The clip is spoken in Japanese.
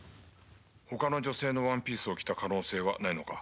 「他の女性のワンピースを着た可能性はないのか？」